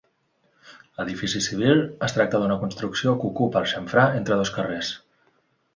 Edifici civil, es tracta d'una construcció que ocupa el xamfrà entre dos carrers.